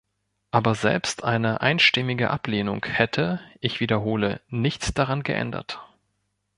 Aber selbst eine einstimmige Ablehnung hätte, ich wiederhole, nichts daran geändert.